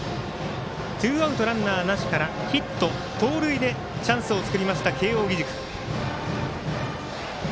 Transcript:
ツーアウト、ランナーなしからヒット、盗塁でチャンスを作りました、慶応義塾。